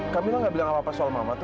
kamilah gak bilang apa apa soal mama tuh